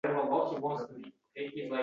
Katta rahmat, baraka topinglar.